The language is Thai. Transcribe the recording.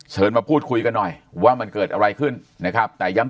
มาพูดคุยกันหน่อยว่ามันเกิดอะไรขึ้นนะครับแต่ย้ำ